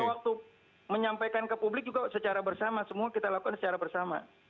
waktu menyampaikan ke publik juga secara bersama semua kita lakukan secara bersama